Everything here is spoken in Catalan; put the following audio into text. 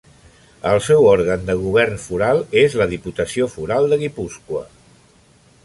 El seu òrgan de govern foral és la Diputació Foral de Guipúscoa.